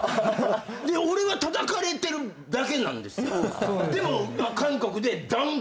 俺はたたかれてるだけなんですよでも。